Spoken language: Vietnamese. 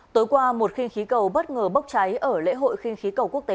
tối qua một khinh khí cầu bất ngờ bốc cháy ở lễ hội khinh khí cầu quốc tế